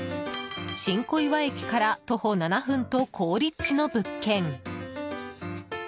新小岩駅から徒歩７分と好立地の物件。